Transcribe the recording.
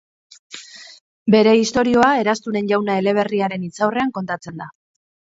Bere istorioa, Eraztunen Jauna eleberriaren hitzaurrean kontatzen da.